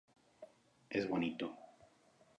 Es bonito.